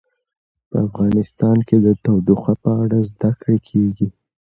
په افغانستان کې د تودوخه په اړه زده کړه کېږي.